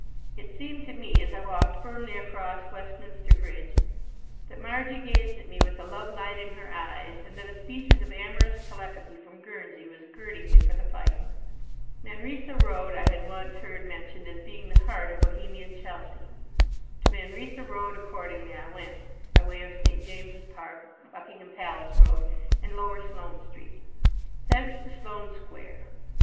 It seemed to me, as I walked firmly across Westminster Bridge, that Margie gazed at me with the lovelight in her eyes, and that a species of amorous telepathy from Guernsey was girding me for the fight. Manresa Road I had once heard mentioned as being the heart of Bohemian Chelsea. To Manresa Road, accordingly, I went, by way of St. James's Park, Buckingham Palace Road, and Lower Sloane Street. Thence to Sloane Square.